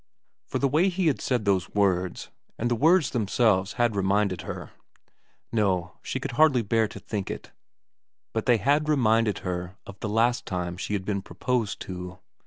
For the way he had said those words, and the words themselves had reminded her no, she could hardly bear to think it, but they had reminded her of the last time she had been proposed to.